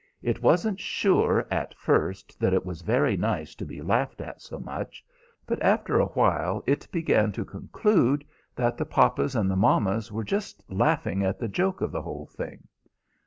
It wasn't sure at first that it was very nice to be laughed at so much, but after a while it began to conclude that the papas and the mammas were just laughing at the joke of the whole thing.